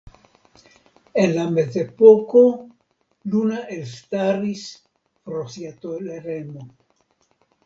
En la Mezepoko Luna elstaris pro sia toleremo.